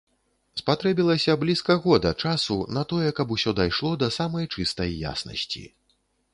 Спатрэбілася блізка года часу на тое, каб усё дайшло да самай чыстай яснасці.